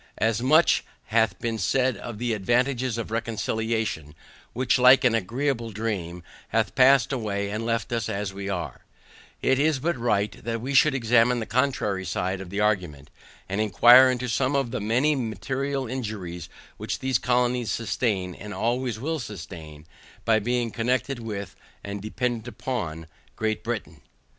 As much hath been said of the advantages of reconciliation, which, like an agreeable dream, hath passed away and left us as we were, it is but right, that we should examine the contrary side of the argument, and inquire into some of the many material injuries which these colonies sustain, and always will sustain, by being connected with, and dependant on Great Britain.